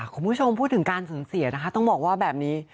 คุณผู้ชมพูดถึงการสูญเสียนะคะต้องบอกว่าแบบนี้